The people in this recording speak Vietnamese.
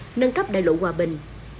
đồng nguyễn giang cừ nâng cấp đại lộ hòa bình